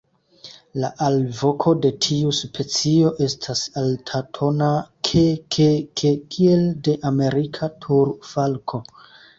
La alvoko de tiu specio estas altatona "ke-ke-ke" kiel de Amerika turfalko.